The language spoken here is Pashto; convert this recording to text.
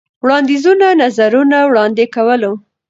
وړاندیزونو ، نظرونه وړاندې کولو.